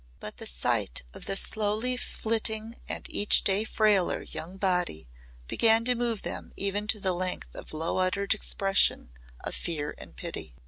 But the sight of the slowly flitting and each day frailer young body began to move them even to the length of low uttered expression of fear and pity.